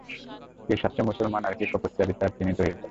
কে সাচ্চা মুসলমান আর কে কপটচারী তা চিহ্নিত হয়ে পড়ে।